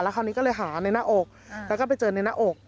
คราวนี้ก็เลยหาในหน้าอกแล้วก็ไปเจอในหน้าอก